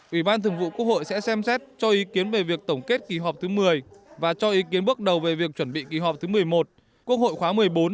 ủy ban thường vụ quốc hội sẽ xem xét cho ý kiến về việc tổng kết kỳ họp thứ một mươi và cho ý kiến bước đầu về việc chuẩn bị kỳ họp thứ một mươi một quốc hội khóa một mươi bốn